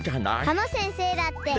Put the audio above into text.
ハモ先生だって。